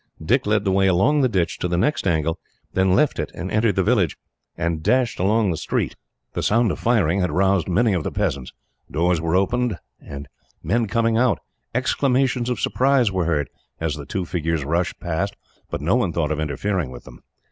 Dick led the way along the ditch to the next angle, then left it and entered the village, and dashed along the street. The sound of firing had roused many of the peasants. Doors were opening, and men coming out. Exclamations of surprise were heard, as the two figures rushed past, but no one thought of interfering with them.